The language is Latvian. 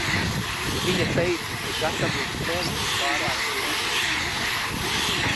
Viņa teica, ka gatavot plovu ir pārāk grūti.